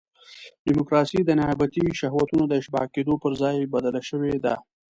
ډیموکراسي د نیابتي شهوتونو د اشباع کېدو پر ځای بدله شوې ده.